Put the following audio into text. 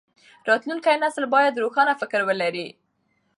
راتلونکی نسل بايد روښانه فکر ولري.